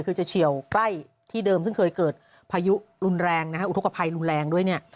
คือจะเฉียวใกล้ที่เดิมซึ่งเคยเกิดพายุรุนแรงนะฮะอุทธกภัยรุนแรงด้วยเนี่ย